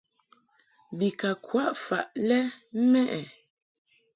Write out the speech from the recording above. Bi ka kwaʼ faʼ lɛ mɛʼ ɛ ?